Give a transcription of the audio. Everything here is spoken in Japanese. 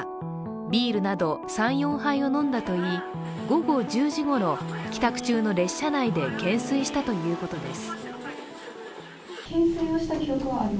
ビールなど３４杯を飲んだといい午後１０時ごろ、帰宅中の列車内で懸垂したということです。